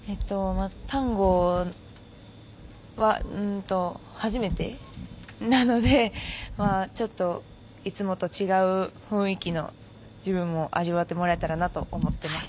タンゴは初めてなのでちょっと、いつもと違う雰囲気の自分を味わってもらえたらなと思ってます。